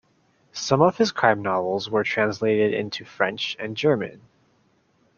Some of his crime novels were translated into French and German.